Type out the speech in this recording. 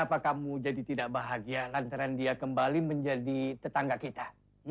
apakah kamu jadi tidak bahagia lantaran dia kembali menjadi tetangga kita